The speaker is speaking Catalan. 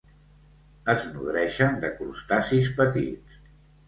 Es nodreixen de crustacis petits.